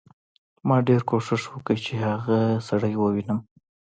ما ډېر کوښښ وکړ چې هغه سړی ووینم